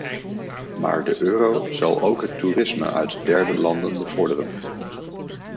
Maar de euro zal ook het toerisme uit derde landen bevorderen.